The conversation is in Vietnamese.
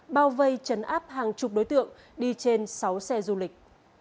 bao vây chấn áp hàng chục đối tượng đi trên sáu xe du lịch